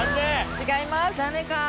違います。